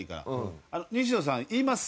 西野さん言います。